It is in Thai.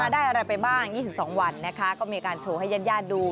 ได้อะไรไปบ้าง๒๒วันนะคะก็มีการโชว์ให้ญาติดู